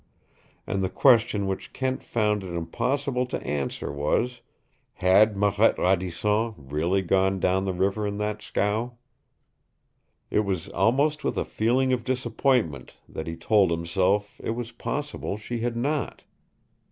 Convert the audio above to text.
And the question which Kent found it impossible to answer was, had Marette Radisson really gone down the river on that scow? It was almost with a feeling of disappointment that he told himself it was possible she had not.